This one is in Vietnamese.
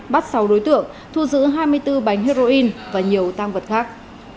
bắt sáu đối tượng thu giữ hai mươi bốn bánh heroin và nhiều tam vật khác